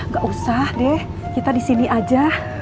gak usah deh kita disini aja